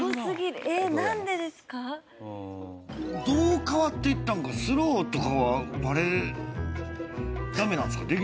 どう変わっていったんかスローとかは駄目なんですか？